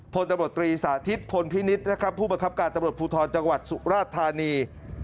พลตำรวจตรีสาธิตพลพินิษฐ์นะครับผู้บังคับการตำรวจภูทรจังหวัดสุราชธานี